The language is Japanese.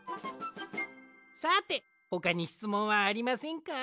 さてほかにしつもんはありませんか？